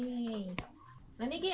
boleh masuk kak